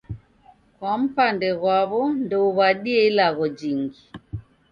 Kwa mpande ghwa ndouw'adie ilagho jingi.